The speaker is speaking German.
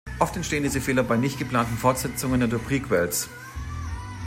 Oft entstehen diese Fehler bei nicht geplanten Fortsetzungen oder Prequels.